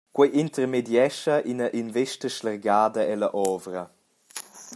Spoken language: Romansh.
Quei intermediescha ina investa slargada ella ovra.